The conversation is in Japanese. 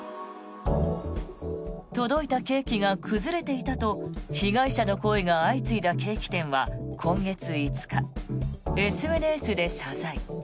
届いたケーキが崩れていたと被害者の声が相次いだケーキ店は今月５日、ＳＮＳで謝罪。